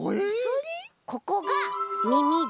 ここがみみで。